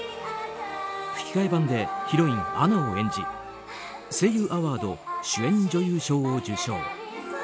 吹き替え版でヒロイン、アナを演じ声優アワード主演女優賞を受賞。